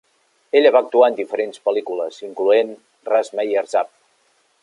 Ella va actuar en diferents pel·lícules, incloent "Russ Meyer's Up!".